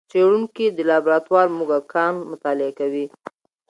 څېړونکي د لابراتوار موږکان مطالعه کوي.